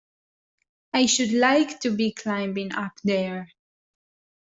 I should like to be climbing up there!